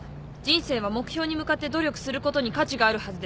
人生は目標に向かって努力することに価値があるはずです。